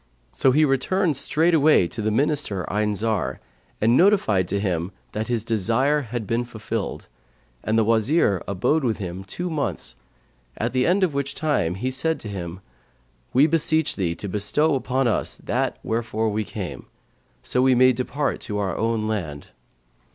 So he returned straightway to the Minister Ayn Zar and notified to him that his desire had been fulfilled; and the Wazir, abode with him two months, at the end of which time he said to him, 'We beseech thee to bestow upon us that wherefore we came, so we may depart to our own land.'